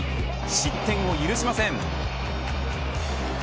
失点を許しません。